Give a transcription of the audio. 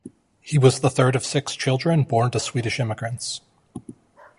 He was the third of six children born to Swedish immigrants.